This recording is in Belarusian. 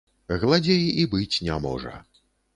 Гладзей і быць не можа.